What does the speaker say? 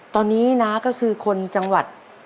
ตอนนี้นะก็คือคนจังหวัด